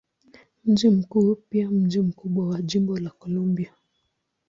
Mji mkuu pia mji mkubwa wa jimbo ni Columbia.